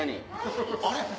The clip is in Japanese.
あれ？